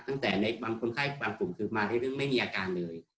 ตั้งแต่ในบางคนไข้บางกลุ่มคือมาเรื่อยไม่มีอาการเลย